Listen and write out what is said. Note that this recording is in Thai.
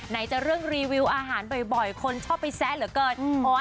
จะเรื่องรีวิวอาหารบ่อยคนชอบไปแซะเหลือเกิน